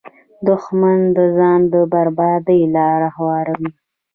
دښمن د ځان د بربادۍ لاره هواروي